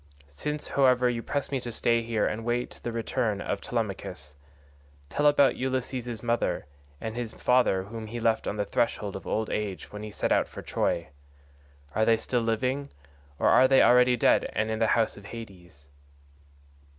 Since, however, you press me to stay here and await the return of Telemachus, tell me about Ulysses' mother, and his father whom he left on the threshold of old age when he set out for Troy. Are they still living or are they already dead and in the house of Hades?"